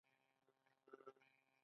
آیا د جنازې پورته کول فرض کفایي نه دی؟